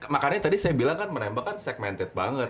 makanya tadi saya bilang kan menembak kan segmented banget